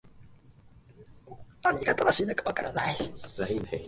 何が正しいのか分からない